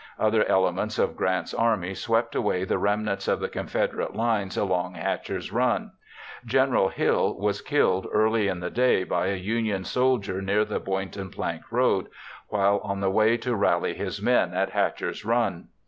Other elements of Grant's army swept away the remnants of the Confederate lines along Hatcher's Run. General Hill was killed early in the day by a Union soldier near the Boydton Plank Road while on the way to rally his men at Hatcher's Run.